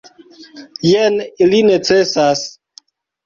Jen, ili necesas.